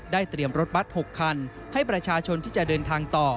เตรียมรถบัตร๖คันให้ประชาชนที่จะเดินทางต่อ